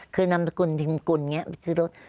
คือนำสกุลทิมกุลนี่ไปซื้อรถ